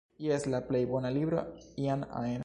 Jes, la plej bona libro iam ajn